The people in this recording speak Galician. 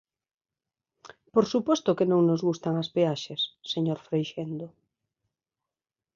Por suposto que non nos gustan as peaxes, señor Freixendo.